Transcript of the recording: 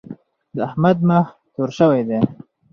د احمد مخ تور شوی دی.